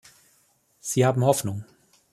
Sie haben Hoffnung.